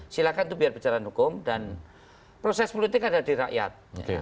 silahkan itu biar berjalan hukum dan proses politik ada di rakyat